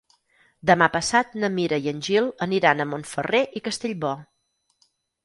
Demà passat na Mira i en Gil aniran a Montferrer i Castellbò.